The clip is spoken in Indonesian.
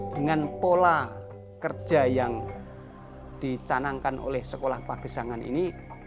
dengan pola kerja yang dicanangkan oleh sekolah pagesangan ini